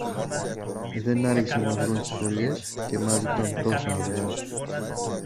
Δεν άργησαν να βρουν τις φωλιές και μάζεψαν τόσα αυγά